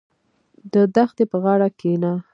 • د دښتې په غاړه کښېنه.